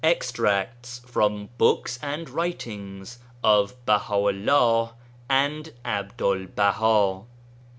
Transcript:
22 Extracts From Books and Writings OF Baha'u'llah and Abdul Baha 1.